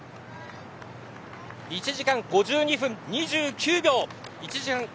１時間５２分２９秒。